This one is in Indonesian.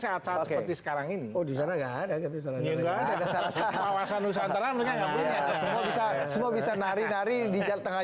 saat saat seperti sekarang ini oh di sana enggak ada ada salahnya semua bisa nari nari di tengah